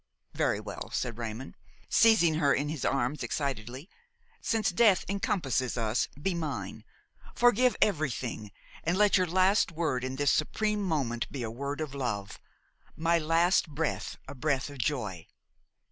"Very well!" said Raymon, seizing her in his arms excitedly, "since death encompasses us, be mine! Forgive everything, and let your last word in this supreme moment be a word of love, my last breath a breath of joy."